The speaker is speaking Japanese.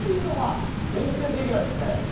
全然できないですね。